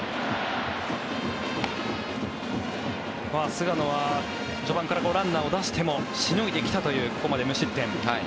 菅野は序盤からランナーを出してもしのいできたというここまで無失点。